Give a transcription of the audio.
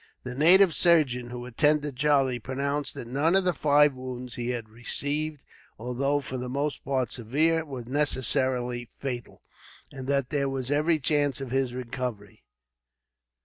The native surgeon, who attended Charlie, pronounced that none of the five wounds he had received, although for the most part severe, were necessarily fatal; and that there was every chance of his recovery.